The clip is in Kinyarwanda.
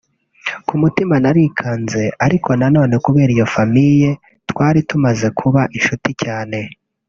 Ku mutima narikanze ariko na none kubera ko iyo famille twari tumaze kuba inshuti cyane